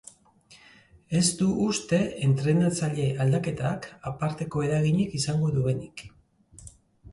Ez du uste entrenatzaile aldaketak aparteko eraginik izan duenik.